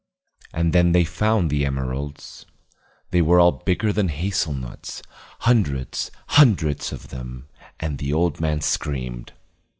And then they found the emeralds. They were all bigger than hazel nuts, hundreds and hundreds of them: and the old man screamed.